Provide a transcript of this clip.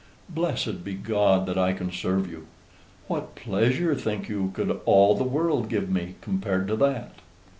Blessed be God that I can serve you! What pleasure, think you, could all the world give me compared to that?"